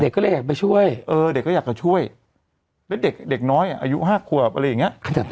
ก็เลยอยากไปช่วยเออเด็กก็อยากจะช่วยแล้วเด็กน้อยอายุ๕ขวบอะไรอย่างนี้